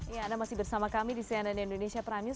ya anda masih bersama kami di cnn indonesia prime news